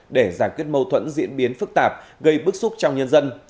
để giải quyết mâu thuẫn diễn biến phức tạp gây bức xúc trong nhân dân